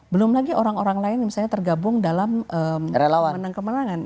belum lagi orang orang lain misalnya tergabung dalam menang kemenangan